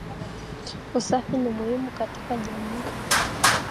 Usafi ni muhimu katika jamii